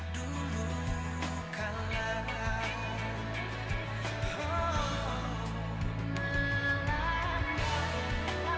tuhan di atasku